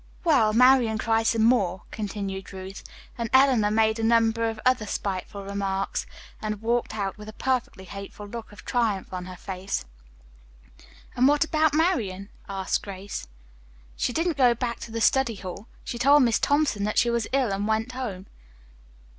"Well, Marian cried some more," continued Ruth, "and Eleanor made a number of other spiteful remarks and walked out with a perfectly hateful look of triumph on her face." "And what about Marian?" asked Grace. "She didn't go back to the study hall. She told Miss Thompson that she was ill and went home."